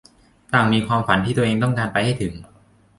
ต่างมีความฝันที่ตัวเองต้องการไปให้ถึง